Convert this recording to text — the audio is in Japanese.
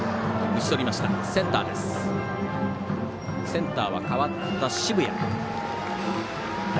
センター、代わった渋谷。